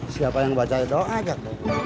siapa yang baca doa kan